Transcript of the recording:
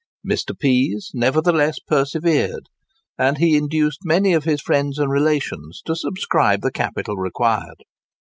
Mr. Pease nevertheless persevered; and he induced many of his friends and relations to subscribe the capital required.